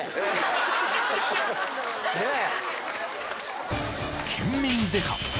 ねえ？